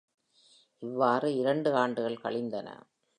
இவ்வாறு இரண்டு ஆண்டுகள் கழிந்தன.